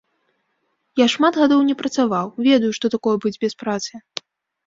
Я шмат гадоў не працаваў, ведаю, што такое быць без працы.